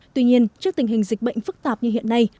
tuy nhiên trước tình hình dịch bệnh phức tạp như hiện nay